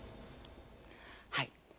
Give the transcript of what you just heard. はい。